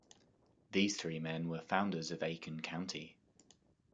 These three men were founders of Aiken County.